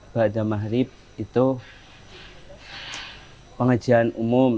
bahagia mahrib itu pengajian umum